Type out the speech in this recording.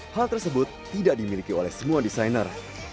hal tersebut tidak dimiliki oleh semua desainer